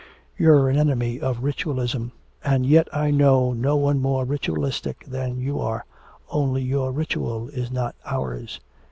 You're an enemy of ritualism, and yet I know no one more ritualistic than you are, only your ritual is not ours.